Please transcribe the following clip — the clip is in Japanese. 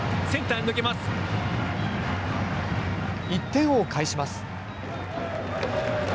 １点を返します。